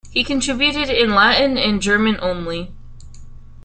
He contributed in Latin and German only.